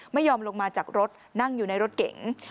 ไม่ยอมลงมาจากรถนั่งอยู่ในรถเก๋ง